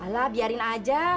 lah biarin aja